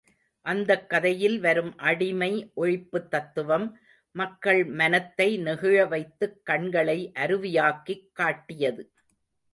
அந்தக் கதையில் வரும் அடிமை ஒழிப்புத் தத்துவம், மக்கள் மனத்தை நெகிழ வைத்துக் கண்களை அருவியாக்கிக் காட்டியது.